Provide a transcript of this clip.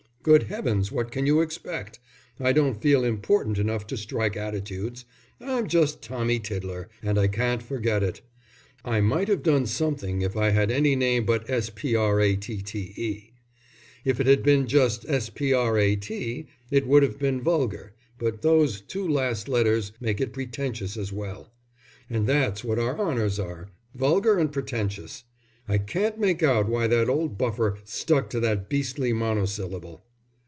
"Good heavens, what can you expect? I don't feel important enough to strike attitudes. I'm just Tommy Tiddler, and I can't forget it. I might have done something if I'd had any name but Spratte. If it had been just Sprat it would have been vulgar, but those two last letters make it pretentious as well. And that's what our honours are vulgar and pretentious! I can't make out why the old buffer stuck to that beastly monosyllable."